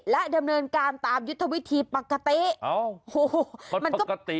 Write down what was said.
และดำเนินการตามยุทธวิธีปกติโอ้โหมันก็ปกติ